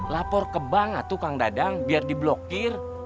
lapor ke bank lah tuh kang dadang biar diblokir